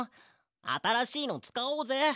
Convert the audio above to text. あたらしいのつかおうぜ。